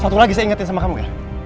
satu lagi saya ingetin sama kamu ya